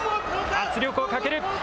圧力をかける。